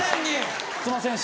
すいません。